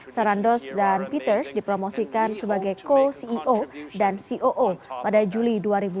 sarandos dan peters dipromosikan sebagai co ceo dan coo pada juli dua ribu dua puluh